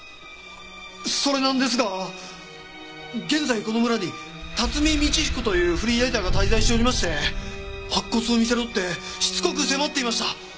それなんですが現在この村に辰巳通彦というフリーライターが滞在しておりまして白骨を見せろってしつこく迫っていました。